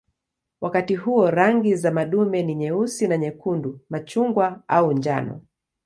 Wakati huo rangi za madume ni nyeusi na nyekundu, machungwa au njano.